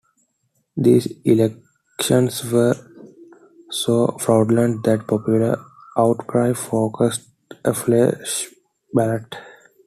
These elections were so fraudulent that popular outcry forced a fresh ballot.